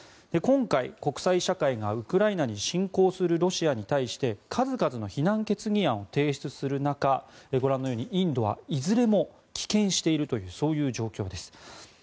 今回、国際社会がウクライナに侵攻するロシアに対して数々の非難決議案を提出する中ご覧のようにインドはいずれも棄権しているというそういう状況です。